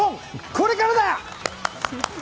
これからだ！